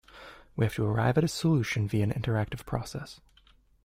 We have to arrive at a solution via an interactive process.